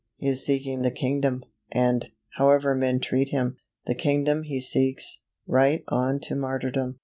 He is seeking the kingdom, and, however men treat him, the kingdom he seeks, right on to martyrdom.